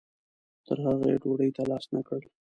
تر هغې یې ډوډۍ ته لاس نه کړ.